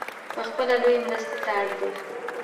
پخپله لویې مرستې ته اړ دی .